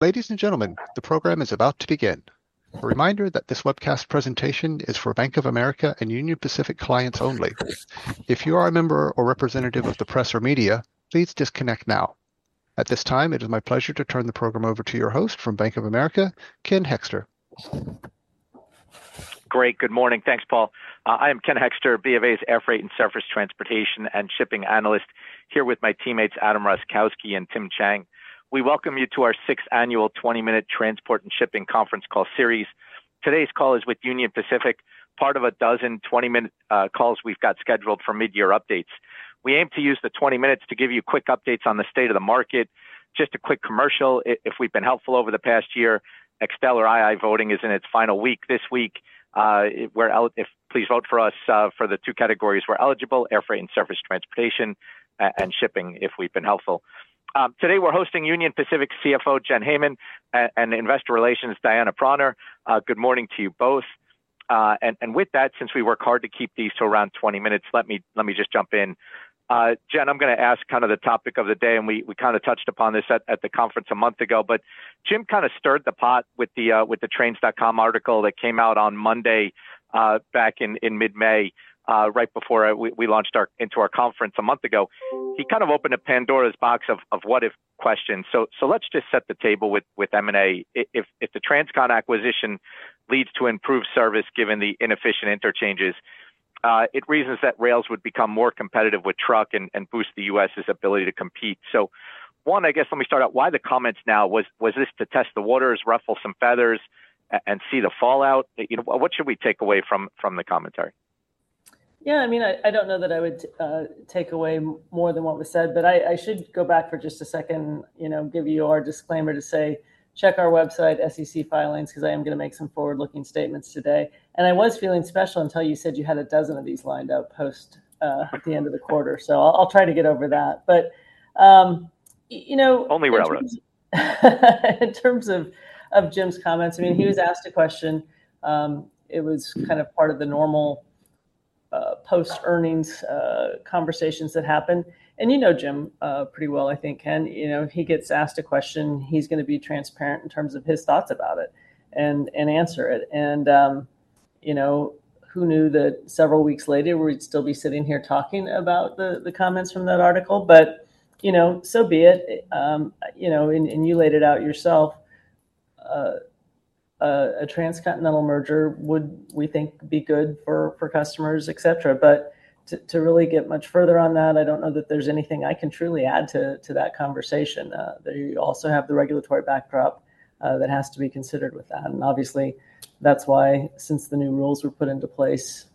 Ladies and gentlemen, the program is about to begin. A reminder that this webcast presentation is for Bank of America and Union Pacific clients only. If you are a member or representative of the press or media, please disconnect now. At this time, it is my pleasure to turn the program over to your host from Bank of America, Ken Hekster. Great, good morning. Thanks, Paul. I am Ken Hekster, B of A's Air Freight and Surface Transportation and Shipping Analyst, here with my teammates, Adam Rakowski and Tim Chang. We welcome you to our Sixth Annual 20-minute Transport and Shipping Conference Call series. Today's call is with Union Pacific, part of a dozen 20-minute calls we've got scheduled for mid-year updates. We aim to use the 20 minutes to give you quick updates on the state of the market. Just a quick commercial: if we've been helpful over the past year, Excel or II voting is in its final week this week. Please vote for us for the two categories we're eligible: Air Freight and Surface Transportation and Shipping, if we've been helpful. Today we're hosting Union Pacific's CFO, Jen Hamann, and Investor Relations, Diana Prauner. Good morning to you both. With that, since we work hard to keep these to around 20 minutes, let me just jump in. Jen, I am going to ask kind of the topic of the day, and we kind of touched upon this at the conference a month ago, but Jim kind of stirred the pot with the trains.com article that came out on Monday back in mid-May, right before we launched into our conference a month ago. He kind of opened a Pandora's box of what-if questions. Let us just set the table with M&A. If the TransCon acquisition leads to improved service given the inefficient interchanges, it reasons that rails would become more competitive with truck and boost the U.S.'s ability to compete. One, I guess, let me start out: why the comments now? Was this to test the waters, ruffle some feathers, and see the fallout? What should we take away from the commentary? Yeah, I mean, I do not know that I would take away more than what was said, but I should go back for just a second, give you our disclaimer to say, check our website, SEC Filings, because I am going to make some forward-looking statements today. I was feeling special until you said you had a dozen of these lined up post the end of the quarter. I will try to get over that. You know. Only what I'll run. In terms of Jim's comments, I mean, he was asked a question, it was kind of part of the normal post-earnings conversations that happen. And you know Jim pretty well, I think, Ken. He gets asked a question, he's going to be transparent in terms of his thoughts about it and answer it. Who knew that several weeks later we'd still be sitting here talking about the comments from that article? So be it. You laid it out yourself, a transcontinental merger would, we think, be good for customers, et cetera. To really get much further on that, I do not know that there's anything I can truly add to that conversation. You also have the regulatory backdrop that has to be considered with that. Obviously, that's why, since the new rules were put into place in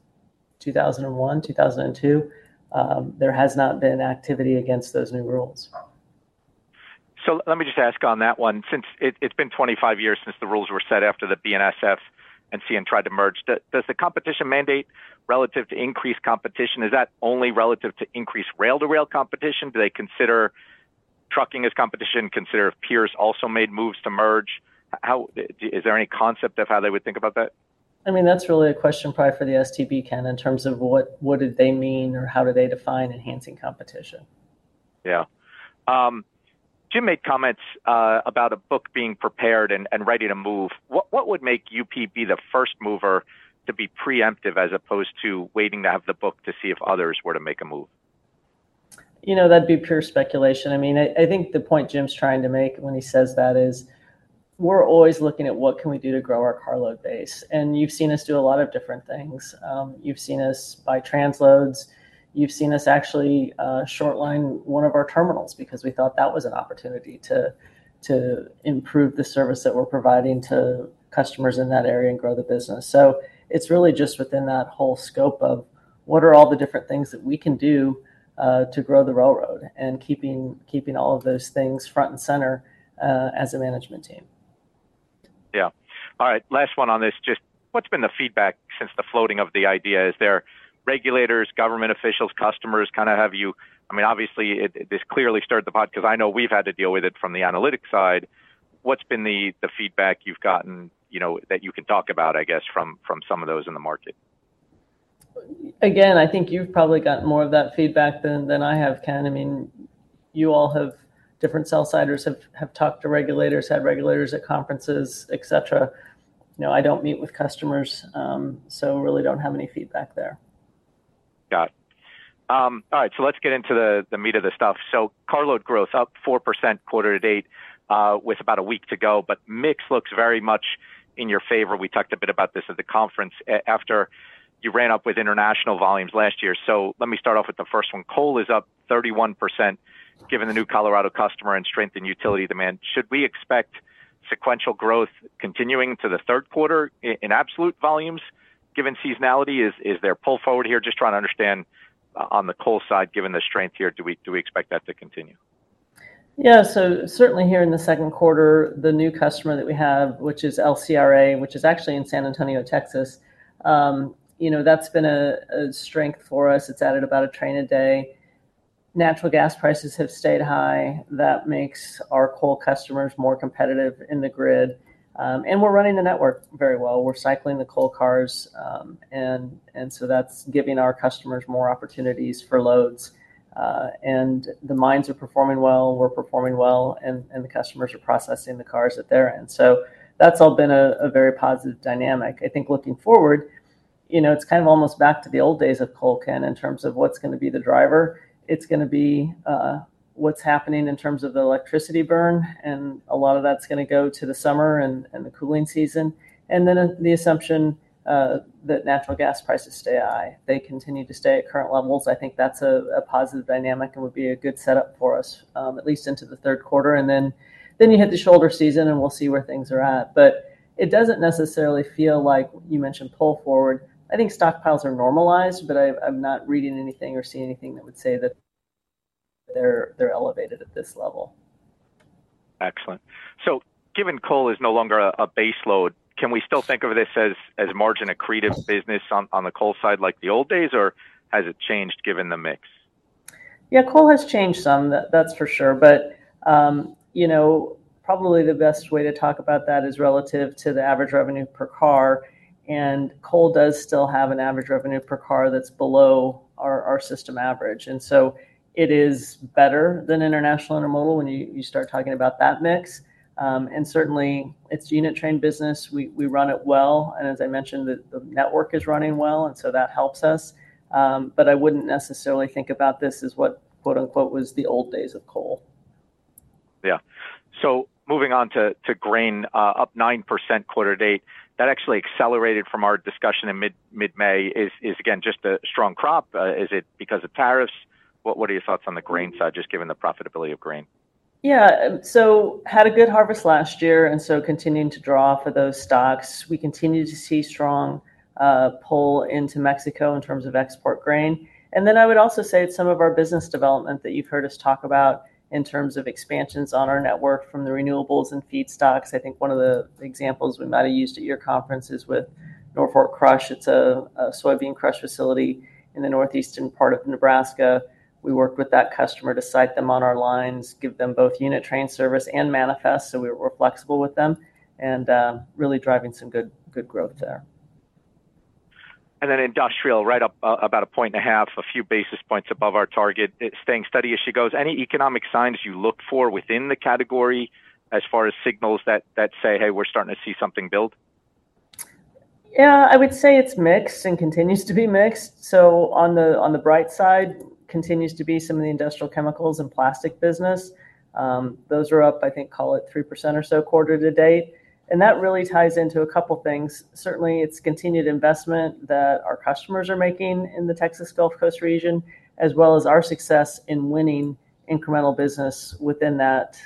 2001, 2002, there has not been activity against those new rules. Let me just ask on that one. Since it has been 25 years since the rules were set after the BNSF and CN tried to merge, does the competition mandate relative to increased competition, is that only relative to increased rail-to-rail competition? Do they consider trucking as competition? Consider if peers also made moves to merge? Is there any concept of how they would think about that? I mean, that's really a question probably for the STB, Ken, in terms of what did they mean or how do they define enhancing competition? Yeah. Jim made comments about a book being prepared and ready to move. What would make UP be the first mover to be preemptive as opposed to waiting to have the book to see if others were to make a move? You know, that'd be pure speculation. I mean, I think the point Jim's trying to make when he says that is we're always looking at what can we do to grow our carload base. You've seen us do a lot of different things. You've seen us buy transloads. You've seen us actually shortline one of our terminals because we thought that was an opportunity to improve the service that we're providing to customers in that area and grow the business. It is really just within that whole scope of what are all the different things that we can do to grow the railroad and keeping all of those things front and center as a management team. Yeah. All right, last one on this. Just what's been the feedback since the floating of the idea? Is there regulators, government officials, customers kind of have you? I mean, obviously, this clearly stirred the pot because I know we've had to deal with it from the analytic side. What's been the feedback you've gotten that you can talk about, I guess, from some of those in the market? Again, I think you've probably got more of that feedback than I have, Ken. I mean, you all have different sell-siders have talked to regulators, had regulators at conferences, et cetera. I don't meet with customers, so I really don't have any feedback there. Got it. All right, so let's get into the meat of the stuff. Carload growth up 4% quarter to date with about a week to go, but mix looks very much in your favor. We talked a bit about this at the conference after you ran up with international volumes last year. Let me start off with the first one. Coal is up 31% given the new Colorado customer and strength in utility demand. Should we expect sequential growth continuing to the third quarter in absolute volumes given seasonality? Is there a pull forward here? Just trying to understand on the coal side, given the strength here, do we expect that to continue? Yeah, so certainly here in the second quarter, the new customer that we have, which is LCRA, which is actually in San Antonio, Texas, that's been a strength for us. It's added about a train a day. Natural gas prices have stayed high. That makes our coal customers more competitive in the grid. We're running the network very well. We're cycling the coal cars. That's giving our customers more opportunities for loads. The mines are performing well. We're performing well. The customers are processing the cars at their end. That's all been a very positive dynamic. I think looking forward, it's kind of almost back to the old days of coal, Ken, in terms of what's going to be the driver. It's going to be what's happening in terms of the electricity burn. A lot of that is going to go to the summer and the cooling season. The assumption is that natural gas prices stay high. They continue to stay at current levels. I think that is a positive dynamic and would be a good setup for us, at least into the third quarter. You hit the shoulder season and we will see where things are at. It does not necessarily feel like you mentioned pull forward. I think stockpiles are normalized, but I am not reading anything or seeing anything that would say that they are elevated at this level. Excellent. Given coal is no longer a base load, can we still think of this as margin accretive business on the coal side like the old days, or has it changed given the mix? Yeah, coal has changed some, that's for sure. Probably the best way to talk about that is relative to the average revenue per car. Coal does still have an average revenue per car that's below our system average. It is better than international intermodal when you start talking about that mix. Certainly, it's unit train business. We run it well. As I mentioned, the network is running well, and that helps us. I would not necessarily think about this as what was the old days of coal. Yeah. Moving on to grain, up 9% quarter to date, that actually accelerated from our discussion in mid-May, is, again, just a strong crop. Is it because of tariffs? What are your thoughts on the grain side, just given the profitability of grain? Yeah, had a good harvest last year, and continuing to draw for those stocks. We continue to see strong pull into Mexico in terms of export grain. I would also say it's some of our business development that you've heard us talk about in terms of expansions on our network from the renewables and feed stocks. I think one of the examples we might have used at your conference is with Norfolk Crush. It's a soybean crush facility in the northeastern part of Nebraska. We worked with that customer to site them on our lines, give them both unit train service and manifest, so we were flexible with them, and really driving some good growth there. Industrial, right up about a point and a half, a few basis points above our target. It is staying steady as she goes. Any economic signs you look for within the category as far as signals that say, "Hey, we are starting to see something build"? Yeah, I would say it's mixed and continues to be mixed. On the bright side, continues to be some of the industrial chemicals and plastic business. Those are up, I think, call it 3% or so quarter to date. That really ties into a couple of things. Certainly, it's continued investment that our customers are making in the Texas Gulf Coast region, as well as our success in winning incremental business within that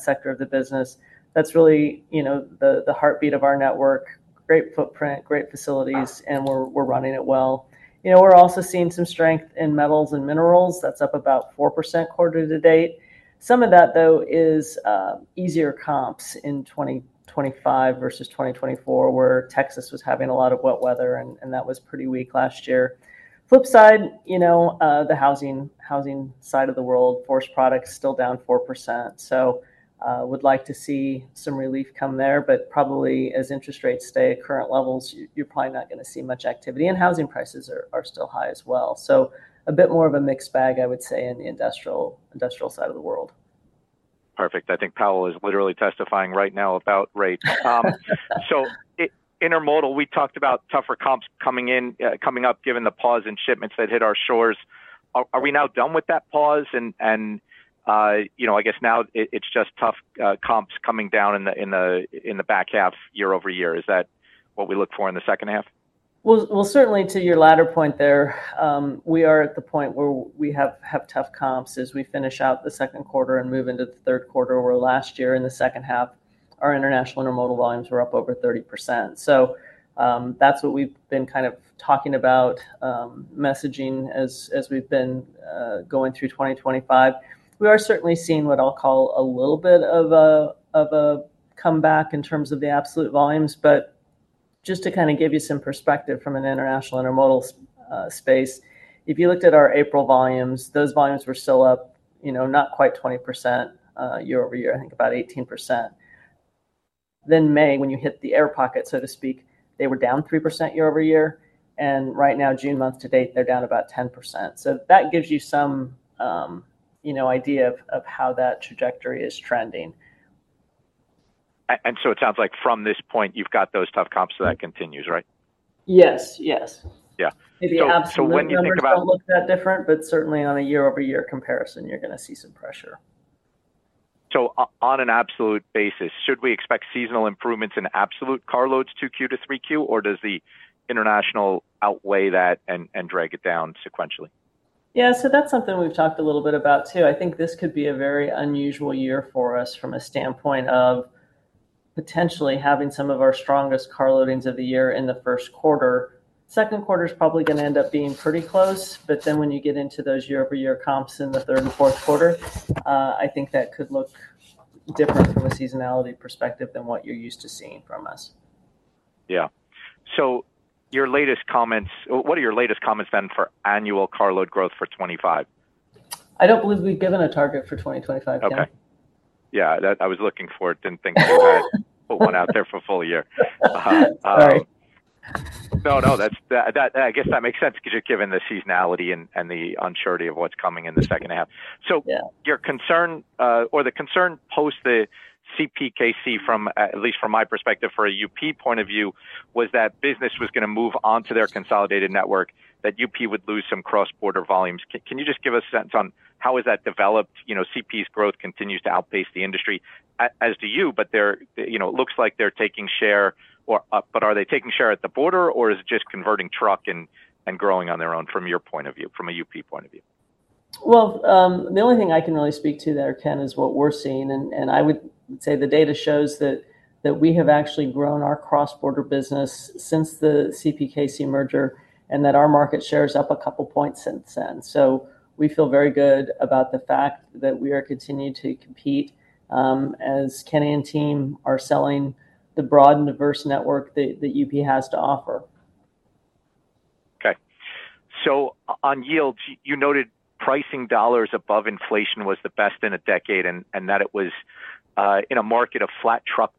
sector of the business. That's really the heartbeat of our network, great footprint, great facilities, and we're running it well. We're also seeing some strength in metals and minerals. That's up about 4% quarter to date. Some of that, though, is easier comps in 2025 versus 2024, where Texas was having a lot of wet weather, and that was pretty weak last year. Flip side, the housing side of the world, forest products still down 4%. I would like to see some relief come there, but probably as interest rates stay at current levels, you're probably not going to see much activity. Housing prices are still high as well. A bit more of a mixed bag, I would say, in the industrial side of the world. Perfect. I think Powell is literally testifying right now about rates. Intermodal, we talked about tougher comps coming in, coming up, given the pause in shipments that hit our shores. Are we now done with that pause? I guess now it is just tough comps coming down in the back half year-over-year. Is that what we look for in the second half? Certainly to your latter point there, we are at the point where we have tough comps as we finish out the second quarter and move into the third quarter where last year in the second half, our international intermodal volumes were up over 30%. That is what we have been kind of talking about, messaging as we have been going through 2025. We are certainly seeing what I will call a little bit of a comeback in terms of the absolute volumes. Just to kind of give you some perspective from an international intermodal space, if you looked at our April volumes, those volumes were still up not quite 20% year-over-year, I think about 18%. In May, when you hit the air pocket, so to speak, they were down 3% year-over-year. Right now, June month to date, they are down about 10%. That gives you some idea of how that trajectory is trending. It sounds like from this point, you've got those tough comps that continues, right? Yes, yes. Yeah. Maybe absolute. When you think about. I don't think they'll look that different, but certainly on a year-over-year comparison, you're going to see some pressure. On an absolute basis, should we expect seasonal improvements in absolute car loads 2Q to 3Q, or does the international outweigh that and drag it down sequentially? Yeah, so that's something we've talked a little bit about too. I think this could be a very unusual year for us from a standpoint of potentially having some of our strongest car loadings of the year in the first quarter. Second quarter is probably going to end up being pretty close. When you get into those year-over-year comps in the third and fourth quarter, I think that could look different from a seasonality perspective than what you're used to seeing from us. Yeah. Your latest comments, what are your latest comments then for annual carload growth for 2025? I don't believe we've given a target for 2025, Ken. Okay. Yeah, I was looking for it. Did not think we would put one out there for full year. Sorry. No, no, I guess that makes sense because given the seasonality and the unsurety of what's coming in the second half. Your concern or the concern post the CPKC, at least from my perspective for a UP point of view, was that business was going to move on to their consolidated network, that UP would lose some cross-border volumes. Can you just give us a sense on how has that developed? CP's growth continues to outpace the industry, as do you, but it looks like they're taking share. Are they taking share at the border, or is it just converting truck and growing on their own from your point of view, from a UP point of view? The only thing I can really speak to there, Ken, is what we are seeing. I would say the data shows that we have actually grown our cross-border business since the CPKC merger and that our market share is up a couple of points since then. We feel very good about the fact that we are continuing to compete as Kenny and team are selling the broad and diverse network that UP has to offer. Okay. On yields, you noted pricing dollars above inflation was the best in a decade and that it was in a market of flat truck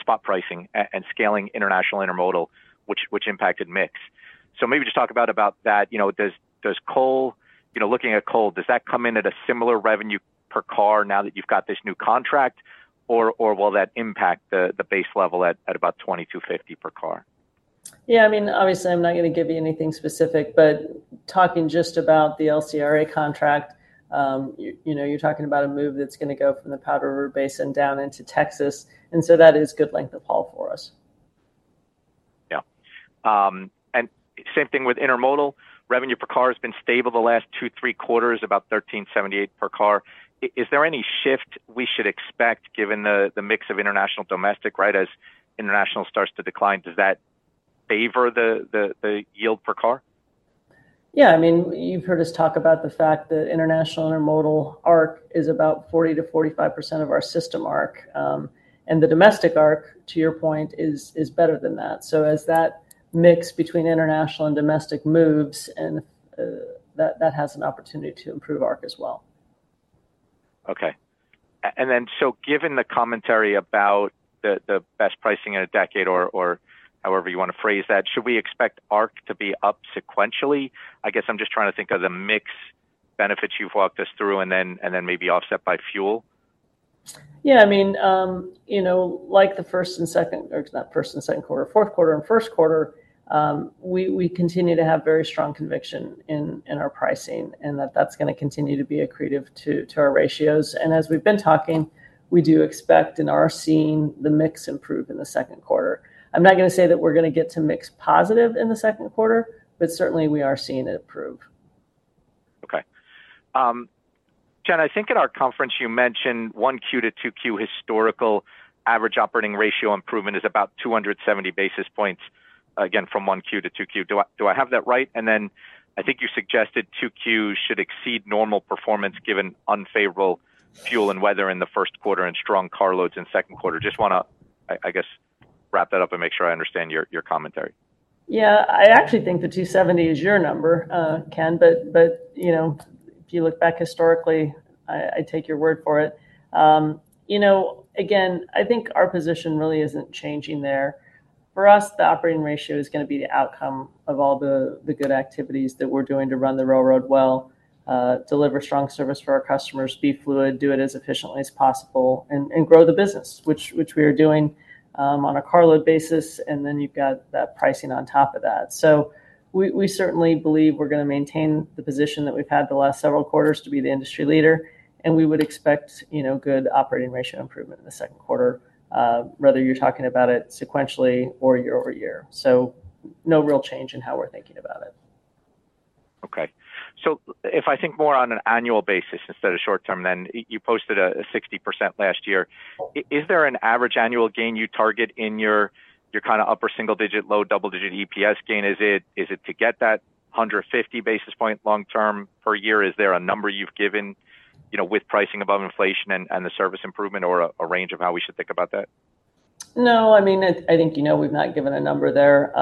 spot pricing and scaling international intermodal, which impacted mix. Maybe just talk about that. Looking at coal, does that come in at a similar revenue per car now that you have this new contract, or will that impact the base level at about $22.50 per car? Yeah, I mean, obviously, I'm not going to give you anything specific, but talking just about the LCRA contract, you're talking about a move that's going to go from the Powder River Basin down into Texas. That is good length of haul for us. Yeah. Same thing with intermodal. Revenue per car has been stable the last two, three quarters, about $13.78 per car. Is there any shift we should expect given the mix of international, domestic, right, as international starts to decline? Does that favor the yield per car? Yeah, I mean, you've heard us talk about the fact that international intermodal ARC is about 40%-45% of our system ARC. And the domestic ARC, to your point, is better than that. As that mix between international and domestic moves, that has an opportunity to improve ARC as well. Okay. Given the commentary about the best pricing in a decade or however you want to phrase that, should we expect ARC to be up sequentially? I guess I am just trying to think of the mixed benefits you have walked us through and then maybe offset by fuel. Yeah, I mean, like the fourth quarter and first quarter, we continue to have very strong conviction in our pricing and that that's going to continue to be accretive to our ratios. As we've been talking, we do expect and are seeing the mix improve in the second quarter. I'm not going to say that we're going to get to mix positive in the second quarter, but certainly we are seeing it improve. Okay. Jen, I think at our conference, you mentioned 1Q-2Q historical average operating ratio improvement is about 270 basis points, again, from 1Q-2Q. Do I have that right? I think you suggested 2Q should exceed normal performance given unfavorable fuel and weather in the first quarter and strong car loads in the second quarter. Just want to, I guess, wrap that up and make sure I understand your commentary. Yeah, I actually think the 270 is your number, Ken. If you look back historically, I take your word for it. Again, I think our position really is not changing there. For us, the operating ratio is going to be the outcome of all the good activities that we are doing to run the railroad well, deliver strong service for our customers, be fluid, do it as efficiently as possible, and grow the business, which we are doing on a carload basis. Then you have got that pricing on top of that. We certainly believe we are going to maintain the position that we have had the last several quarters to be the industry leader. We would expect good operating ratio improvement in the second quarter, whether you are talking about it sequentially or year-over-year. No real change in how we are thinking about it. Okay. If I think more on an annual basis instead of short-term, then you posted a 60% last year. Is there an average annual gain you target in your kind of upper single-digit, low double-digit EPS gain? Is it to get that 150 basis point long-term per year? Is there a number you've given with pricing above inflation and the service improvement or a range of how we should think about that? No, I mean, I think you know we've not given a number there.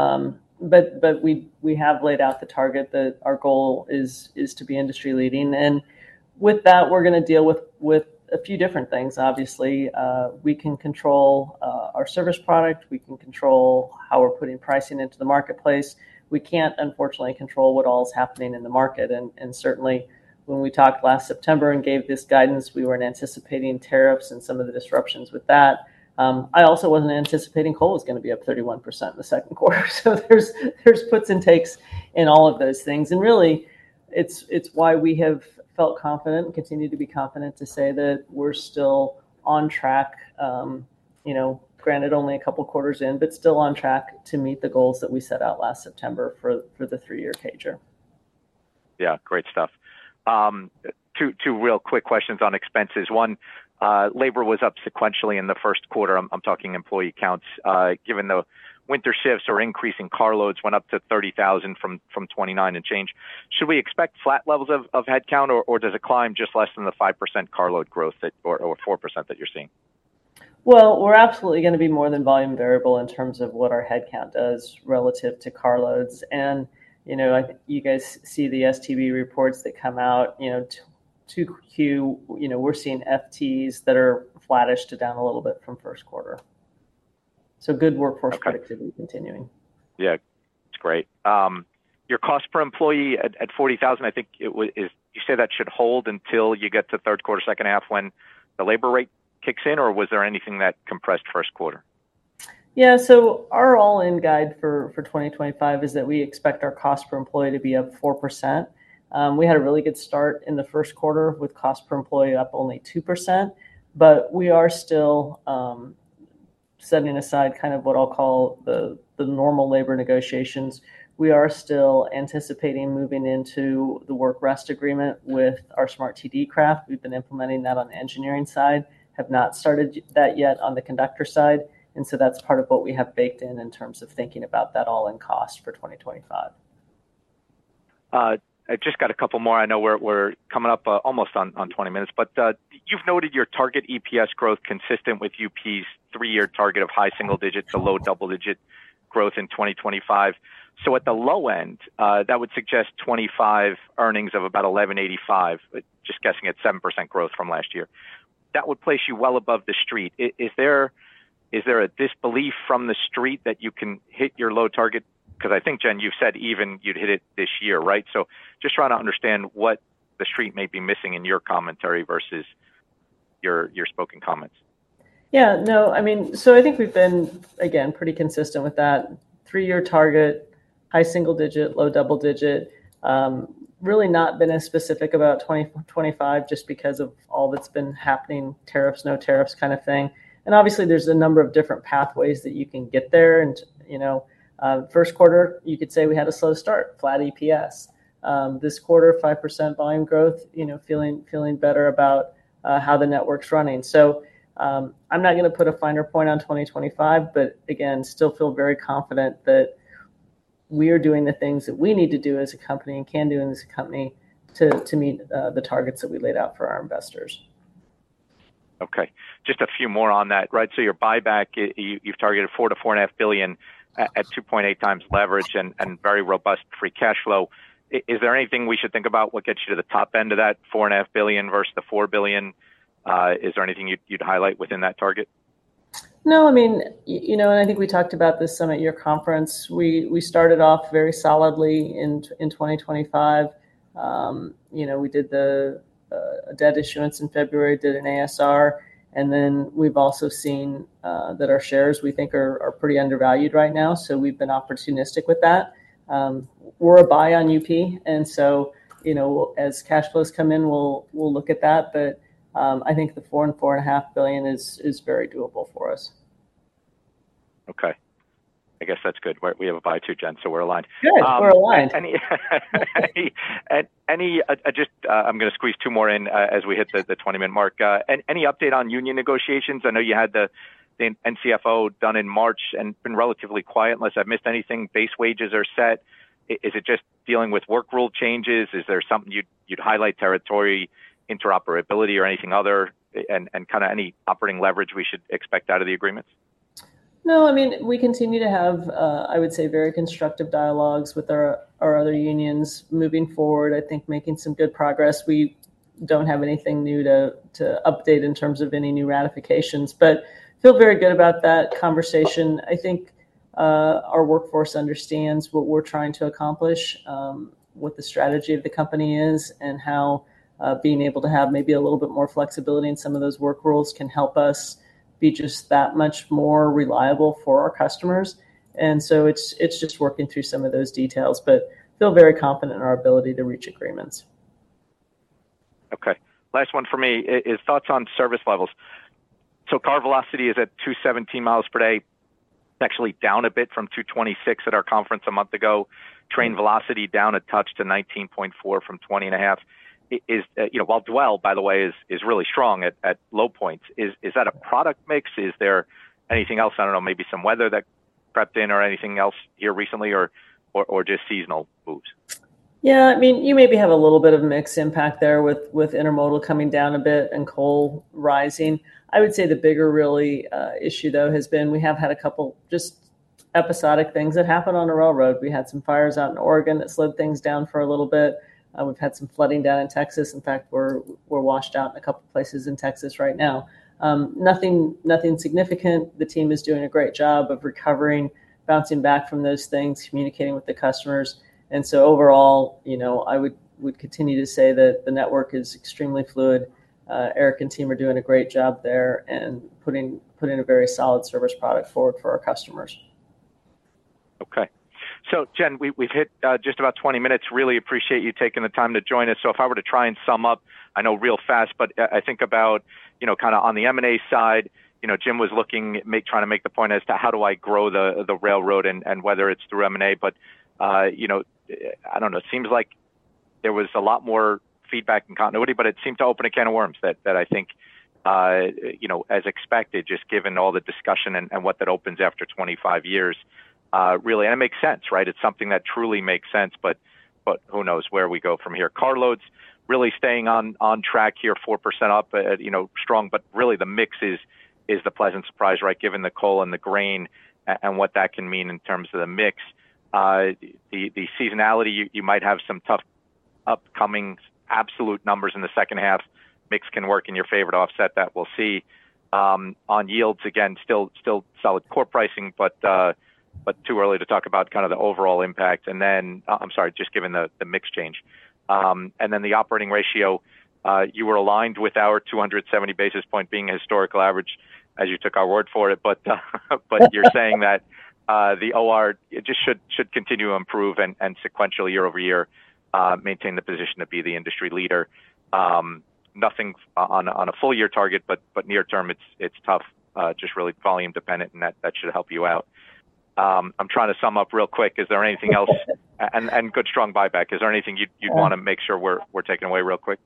But we have laid out the target that our goal is to be industry leading. And with that, we're going to deal with a few different things, obviously. We can control our service product. We can control how we're putting pricing into the marketplace. We can't, unfortunately, control what all is happening in the market. And certainly, when we talked last September and gave this guidance, we were anticipating tariffs and some of the disruptions with that. I also wasn't anticipating coal was going to be up 31% in the second quarter. So there's puts and takes in all of those things. Really, it's why we have felt confident and continued to be confident to say that we're still on track, granted only a couple of quarters in, but still on track to meet the goals that we set out last September for the three-year CAGR. Yeah, great stuff. Two real quick questions on expenses. One, labor was up sequentially in the first quarter. I'm talking employee counts. Given the winter shifts or increasing car loads went up to 30,000 from 29,000 and change. Should we expect flat levels of headcount, or does it climb just less than the 5% car load growth or 4% that you're seeing? We are absolutely going to be more than volume variable in terms of what our headcount does relative to car loads. You guys see the STB reports that come out. 2Q, we are seeing FTs that are flattish to down a little bit from first quarter. Good workforce productivity continuing. Yeah, it's great. Your cost per employee at $40,000, I think you said that should hold until you get to third quarter, second half when the labor rate kicks in, or was there anything that compressed first quarter? Yeah, so our all-in guide for 2025 is that we expect our cost per employee to be up 4%. We had a really good start in the first quarter with cost per employee up only 2%. We are still setting aside kind of what I'll call the normal labor negotiations. We are still anticipating moving into the work rest agreement with our SMART TD craft. We've been implementing that on the engineering side, have not started that yet on the conductor side. That is part of what we have baked in in terms of thinking about that all-in cost for 2025. I just got a couple more. I know we're coming up almost on 20 minutes, but you've noted your target EPS growth consistent with UP's three-year target of high single-digit to low double-digit growth in 2025. At the low end, that would suggest 2025 earnings of about $11.85, just guessing at 7% growth from last year. That would place you well above the street. Is there a disbelief from the street that you can hit your low target? I think, Jen, you've said even you'd hit it this year, right? Just trying to understand what the street may be missing in your commentary versus your spoken comments. Yeah, no, I mean, I think we've been, again, pretty consistent with that. Three-year target, high single-digit, low double-digit. Really not been as specific about 2025 just because of all that's been happening, tariffs, no tariffs kind of thing. Obviously, there's a number of different pathways that you can get there. First quarter, you could say we had a slow start, flat EPS. This quarter, 5% volume growth, feeling better about how the network's running. I'm not going to put a finer point on 2025, but again, still feel very confident that we are doing the things that we need to do as a company and can do as a company to meet the targets that we laid out for our investors. Okay. Just a few more on that, right? Your buyback, you've targeted $4 billion-$4.5 billion at 2.8 times leverage and very robust free cash flow. Is there anything we should think about? What gets you to the top end of that $4.5 billion versus the $4 billion? Is there anything you'd highlight within that target? No, I mean, and I think we talked about this some at your conference. We started off very solidly in 2025. We did the debt issuance in February, did an ASR. And then we've also seen that our shares, we think, are pretty undervalued right now. So we've been opportunistic with that. We're a buy on UP. And as cash flows come in, we'll look at that. I think the $4 billion-$4.5 billion is very doable for us. Okay. I guess that's good. We have a buy too, Jen, so we're aligned. Good. We're aligned. I'm going to squeeze two more in as we hit the 20-minute mark. Any update on union negotiations? I know you had the NCFO done in March and been relatively quiet. Unless I've missed anything, base wages are set. Is it just dealing with work rule changes? Is there something you'd highlight, territory interoperability or anything other? Any operating leverage we should expect out of the agreements? No, I mean, we continue to have, I would say, very constructive dialogues with our other unions moving forward. I think, making some good progress. We do not have anything new to update in terms of any new ratifications, but feel very good about that conversation. I think our workforce understands what we are trying to accomplish, what the strategy of the company is, and how being able to have maybe a little bit more flexibility in some of those work rules can help us be just that much more reliable for our customers. It is just working through some of those details, but feel very confident in our ability to reach agreements. Okay. Last one for me is thoughts on service levels. Car velocity is at 217 mi per day, actually down a bit from 226 at our conference a month ago. Train velocity down a touch to 19.4 from 20.5. While dwell, by the way, is really strong at low points, is that a product mix? Is there anything else, I do not know, maybe some weather that crept in or anything else here recently or just seasonal boost? Yeah, I mean, you maybe have a little bit of mixed impact there with intermodal coming down a bit and coal rising. I would say the bigger really issue, though, has been we have had a couple just episodic things that happened on a railroad. We had some fires out in Oregon that slowed things down for a little bit. We've had some flooding down in Texas. In fact, we're washed out in a couple of places in Texas right now. Nothing significant. The team is doing a great job of recovering, bouncing back from those things, communicating with the customers. Overall, I would continue to say that the network is extremely fluid. Eric and team are doing a great job there and putting a very solid service product forward for our customers. Okay. Jen, we've hit just about 20 minutes. Really appreciate you taking the time to join us. If I were to try and sum up, I know real fast, but I think about kind of on the M&A side, Jim was looking, trying to make the point as to how do I grow the railroad and whether it's through M&A. I don't know, it seems like there was a lot more feedback and continuity, but it seemed to open a can of worms that I think, as expected, just given all the discussion and what that opens after 25 years. Really, and it makes sense, right? It's something that truly makes sense, but who knows where we go from here. Car loads really staying on track here, 4% up, strong, but really the mix is the pleasant surprise, right? Given the coal and the grain and what that can mean in terms of the mix. The seasonality, you might have some tough upcoming absolute numbers in the second half. Mix can work in your favor to offset that. We'll see. On yields, again, still solid core pricing, but too early to talk about kind of the overall impact. I'm sorry, just given the mix change. The operating ratio, you were aligned with our 270 basis point being a historical average as you took our word for it. You're saying that the OR just should continue to improve and sequentially year-over-year maintain the position to be the industry leader. Nothing on a full-year target, but near term, it's tough, just really volume dependent, and that should help you out. I'm trying to sum up real quick. Is there anything else? Good strong buyback. Is there anything you'd want to make sure we're taking away real quick?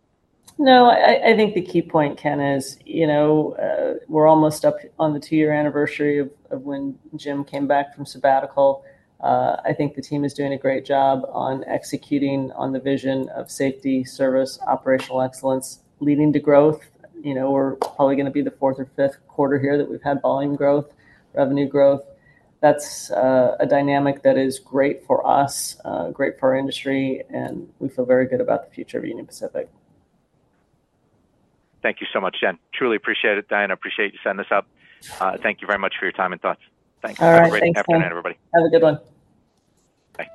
No, I think the key point, Ken, is we're almost up on the two-year anniversary of when Jim came back from sabbatical. I think the team is doing a great job on executing on the vision of safety, service, operational excellence, leading to growth. We're probably going to be the fourth or fifth quarter here that we've had volume growth, revenue growth. That's a dynamic that is great for us, great for our industry, and we feel very good about the future of Union Pacific. Thank you so much, Jen. Truly appreciate it. Diana, I appreciate you setting this up. Thank you very much for your time and thoughts. Thanks. Thanks, Ken. Have a great afternoon, everybody. Have a good one. Thanks.